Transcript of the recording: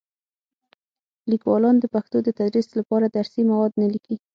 لیکوالان د پښتو د تدریس لپاره درسي مواد نه لیکي.